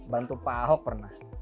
bantu pak ahok pernah